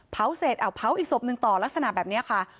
เผาอีกศพหนึ่งต่อลักษณะแบบนี้ค่ะ